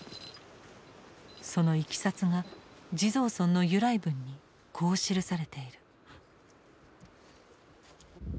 そのいきさつが地蔵尊の由来文にこう記されている。